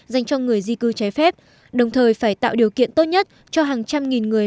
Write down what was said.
dành cho người di cư trái phép đồng thời phải tạo điều kiện tốt nhất cho hàng trăm nghìn người